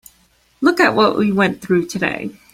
Look at what we went through today.